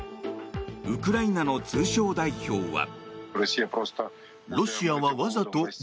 ウクライナの通商代表は。